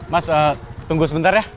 mas tunggu sebentar ya